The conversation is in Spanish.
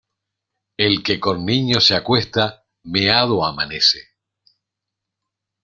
El que con niños se acuesta, meado amanece.